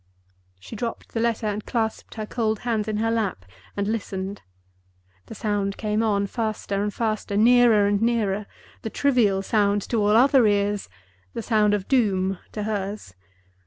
She dropped the letter and clasped her cold hands in her lap and listened. The sound came on, faster and faster, nearer and nearer—the trivial sound to all other ears; the sound of Doom to hers.